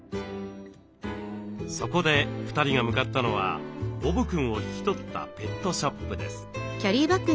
そこで２人が向かったのはボブくんを引き取ったペットショップです。